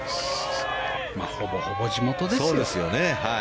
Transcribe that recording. ほぼほぼ地元ですよ。